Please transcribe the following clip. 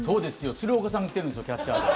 鶴岡さんが来てるんですよキャッチャーで。